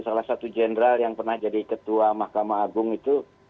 salah satu jenderal yang pernah jadi ketua mahkamah agung itu